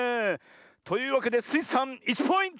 というわけでスイさん１ポイント！